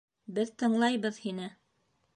Беҙ тыңлайбыҙ һине.